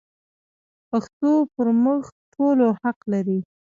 پښتو پر موږ ټولو حق لري.